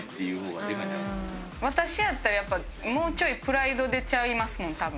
私やったらやっぱもうちょいプライド出ちゃいますもん多分。